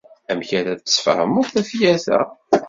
Amek ara d-tesfehmeḍ tafyirt-a?